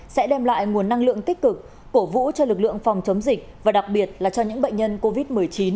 sẽ đem lại nguồn năng lượng tích cực cổ vũ cho lực lượng phòng chống dịch và đặc biệt là cho những bệnh nhân covid một mươi chín